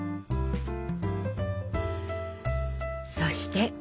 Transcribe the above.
そして。